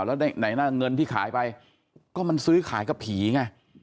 แล้วไหนนะเงินที่ขายไปก็มันซื้อขายกับผีไง